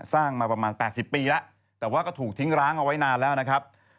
สร้างมาประมาณ๘๐ปีแล้วแต่ว่าก็ถูกทิ้งร้างเอาไว้นานแล้วนะครับ